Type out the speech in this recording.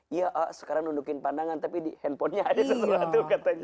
iya sekarang nundukin pandangan tapi di handphonenya ada sesuatu katanya